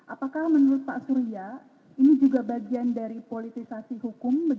apakah menurut pak surya ini juga bagian dari politisasi hukum